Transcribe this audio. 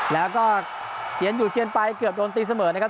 แล้วก็เจียนอยู่เจียนไปเกือบโดนตีเสมอนะครับ